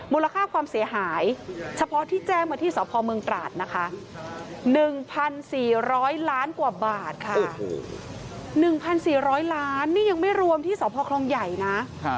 มูลค่าความเสียหายเฉพาะที่แจ้งมาที่สพเมืองตราดนะคะ๑๔๐๐ล้านกว่าบาทค่ะ๑๔๐๐ล้านนี่ยังไม่รวมที่สพคลองใหญ่นะ